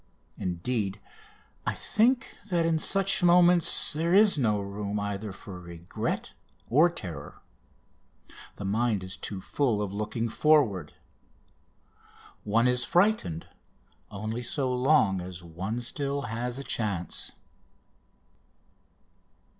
Indeed, I think that in such moments there is no room either for regret or terror. The mind is too full of looking forward. One is frightened only so long as one still has a chance.